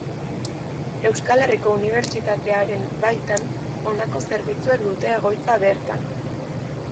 Euskal Herriko Unibertsitatearen baitan, honako zerbitzuek dute egoitza bertan.